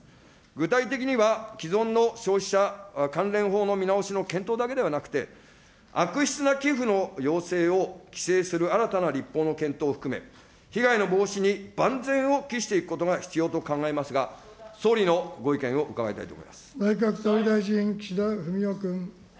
具体的には、既存の消費者関連法の見直しの検討だけではなくて、悪質な寄付の要請を規制する新たな立法の検討も含め、被害の防止に万全を期していくことが必要と考えますが、総理のご意見を伺いたいと思います。